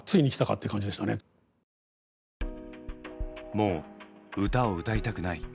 「もう歌を歌いたくない」。